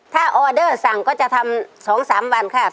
ถ้าออเดอร์สั่งก็จะทำ๒๓วันค่ะ